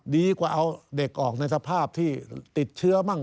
ดีกว่าเอาเด็กออกในสภาพที่ติดเชื้อมั่ง